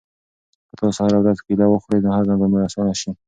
که تاسو هره ورځ کیله وخورئ نو هضم به مو اسانه شي.